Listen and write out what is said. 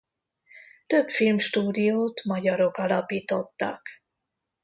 Több filmstúdiót magyarok alapítottak.